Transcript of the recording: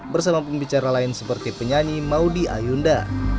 bersama pembicara lain seperti penyanyi maudie ayunda